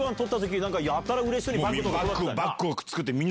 やたらうれしそうにバッグとか配ってたよな。